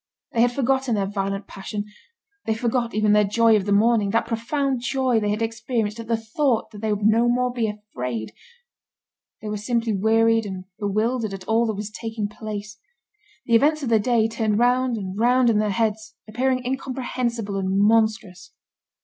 They had forgotten their violent passion, they forgot even their joy of the morning, that profound joy they had experienced at the thought that they would no more be afraid. They were simply wearied and bewildered at all that was taking place. The events of the day turned round and round in their heads, appearing incomprehensible and monstrous.